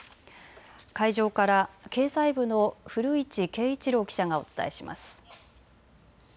会場から経済部の古市啓一朗記者がお伝えします。